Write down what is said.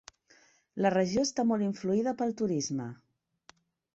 La regió està molt influïda pel turisme.